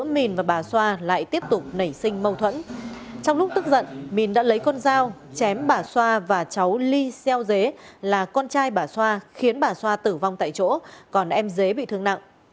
mình đã lấy con dao chém bà xoa và cháu ly xeo dế là con trai bà xoa khiến bà xoa tử vong tại chỗ còn em dế bị thương nặng